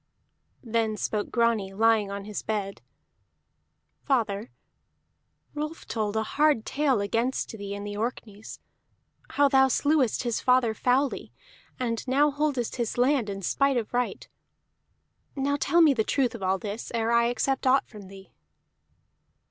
Then spoke Grani, lying on his bed. "Father, Rolf told a hard tale against thee in the Orkneys: how thou slewest his father foully, and now holdest his land in spite of right. Now tell me the truth of all this, ere I accept aught from thee."